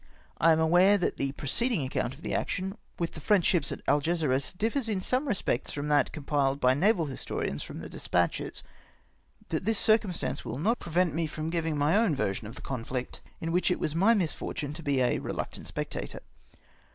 I am aware that the preceding account of the action with the French ships at Algesiras differs in some respects from that compiled by naval historians from the despatches ; but this ckcumstance will not prevent me fi'om giving my own version of a conflict in which it was my misfortune to be a reluctant spectator.